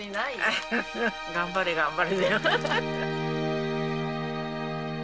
頑張れ、頑張れだよ！